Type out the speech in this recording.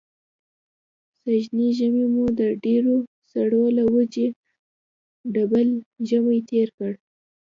سږنی ژمی مو د ډېرو سړو له وجې ډبل ژمی تېر کړ.